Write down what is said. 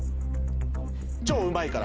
超うまいから。